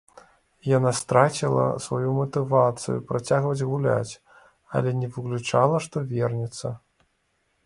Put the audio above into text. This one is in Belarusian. Яна страціла сваю матывацыю працягваць гуляць, але не выключала, што вернецца.